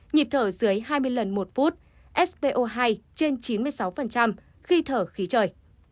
nhịp thở dưới hai mươi lần một phút spo hai trên chín mươi sáu khi thở khí trời